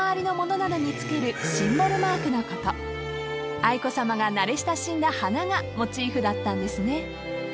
［愛子さまが慣れ親しんだ花がモチーフだったんですね］